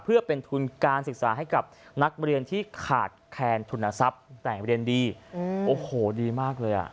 เพื่อเป็นทุนการศึกษาให้กับนักเรียนที่ขาดแคนทุนทรัพย์แต่งเรียนดีโอ้โหดีมากเลยอ่ะ